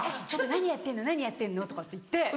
「ちょっと何やってんの何やってんの」とかって言って。